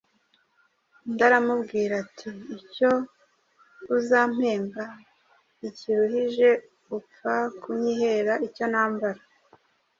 Undi aramubwira ati:Icyo uzampemba ntikiruhije upfa kunyihera icyo nambara